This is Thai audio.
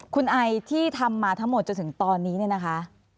คุณไอที่ทำมาทั้งหมดจนถึงตอนนี้เนี่ยนะคะ